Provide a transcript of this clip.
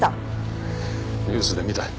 ニュースで見たよ